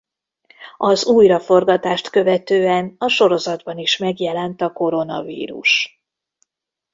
Az újra forgatást követően a sorozatban is megjelent a koronavírus.